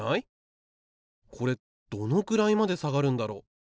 これどのくらいまで下がるんだろう？